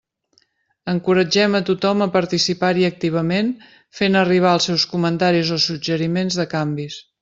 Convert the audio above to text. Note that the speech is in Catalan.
Encoratgem a tothom a participar-hi activament fent arribar els seus comentaris o suggeriments de canvis.